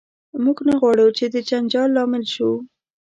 موږ نه غواړو چې د جنجال لامل شو.